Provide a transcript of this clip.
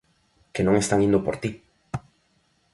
Que non están indo por ti.